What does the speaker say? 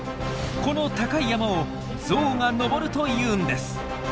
この高い山をゾウが登るというんです。